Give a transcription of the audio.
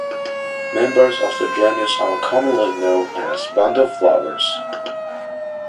Members of the genus are commonly known as bundleflowers.